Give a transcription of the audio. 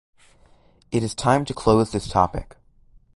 It is time to close this topic.